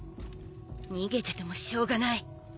逃げててもしょうがない。